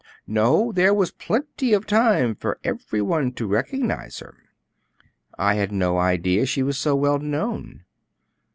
"No; there was plenty of time for every one to recognize her." "I had no idea she was so well known."